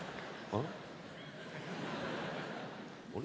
あれ？